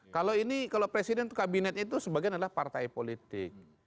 kalau ini kalau presiden itu kabinetnya itu sebagian adalah partai politik